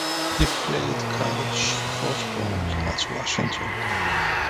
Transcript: He played college football at Washington.